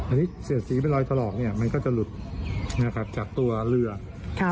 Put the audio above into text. อันนี้เสียดสีเป็นรอยถลอกเนี่ยมันก็จะหลุดนะครับจากตัวเรือค่ะ